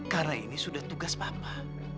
karena ini sudah tugas papa